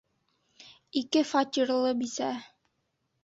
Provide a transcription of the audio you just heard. Ике фатирлы бисә!